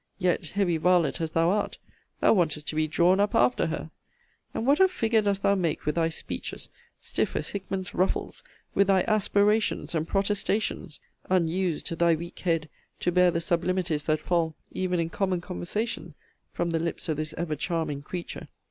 yet, heavy varlet as thou art, thou wantest to be drawn up after her! And what a figure dost thou make with thy speeches, stiff as Hickman's ruffles, with thy aspirations and protestations! unused, thy weak head, to bear the sublimities that fall, even in common conversation, from the lips of this ever charming creature!